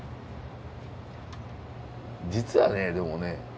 実はねでもね